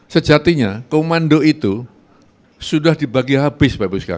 sejatinya komando itu sudah dibagi habis pak buska